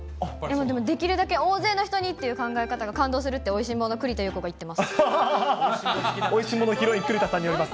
でもできるだけ大勢の人にっていう考え方が、感動するって美味しんぼ好きの栗田さんが言ってます。